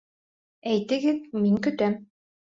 Әйтегеҙ, мин көтәм.